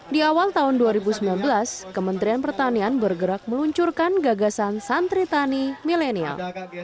di awal tahun dua ribu sembilan belas kementerian pertanian bergerak meluncurkan gagasan santri tani milenial